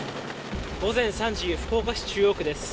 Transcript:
午前３時福岡市中央区です。